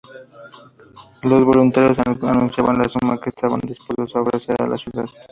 Los voluntarios anunciaban la suma que estaban depuestos a ofrecer a la ciudad.